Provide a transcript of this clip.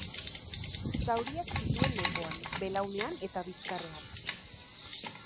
Zauriak zituen lepoan, belaunean eta bizkarrean.